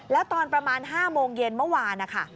แล้วตอนประมาณ๕โมงเย็นเมื่อวานนะคะ